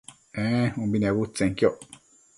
ee umbi nebudtsenquioc